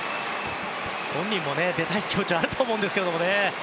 本人も出たい気持ちはあると思うんですけどね。